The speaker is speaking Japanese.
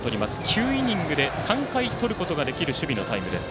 ９イニングで３回とることができる守備のタイムです。